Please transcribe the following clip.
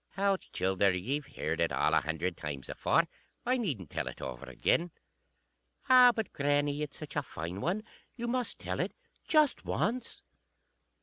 "_ "Hout, childer, ye've heard it a hundred times afore. I needn't tell it over again." _"Ah! but, grannie, it's such a fine one. You must tell it. Just once."